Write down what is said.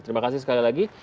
terima kasih sekali lagi